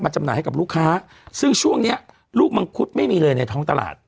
จำหน่ายให้กับลูกค้าซึ่งช่วงเนี้ยลูกมังคุดไม่มีเลยในท้องตลาด